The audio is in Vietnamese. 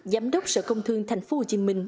giám đốc sở công thương thành phố hồ chí minh